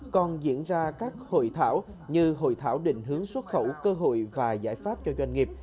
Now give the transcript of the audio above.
còn diễn ra các hội thảo như hội thảo định hướng xuất khẩu cơ hội và giải pháp cho doanh nghiệp